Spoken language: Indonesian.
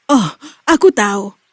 oh aku tahu